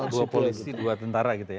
dua polisi dua tentara gitu ya